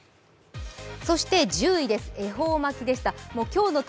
１０位です、恵方巻でした。